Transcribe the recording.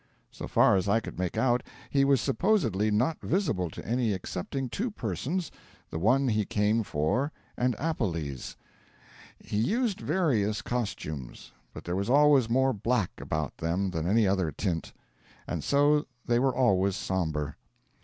So far as I could make out, he was supposably not visible to any excepting two persons the one he came for and Appelles. He used various costumes: but there was always more black about them than any other tint; and so they were always sombre.